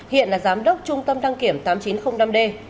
hiện là giám đốc trung tâm đăng kiểm tám nghìn chín trăm linh năm d